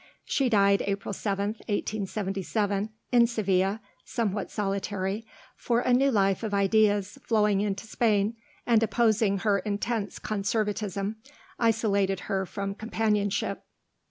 She died April 7th, 1877, in Seville, somewhat solitary, for a new life of ideas flowing into Spain, and opposing her intense conservatism, isolated her from companionship.